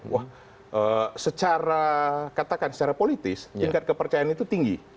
wah secara katakan secara politis tingkat kepercayaan itu tinggi